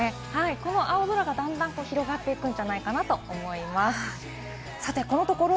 この青空が段々広がっていくんじゃないかなと思います。